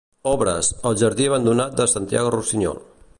Obres: El Jardí abandonat de Santiago Rusiñol.